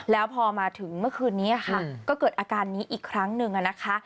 แล้วพอมาถึงเมื่อคืนนี้ค่ะก็เกิดอาการนี้อีกครั้งหนึ่งนะคะ